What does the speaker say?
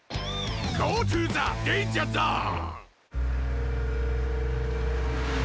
ゴートゥザデンジャーゾーン！